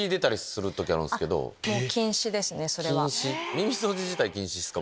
耳掃除自体禁止っすか？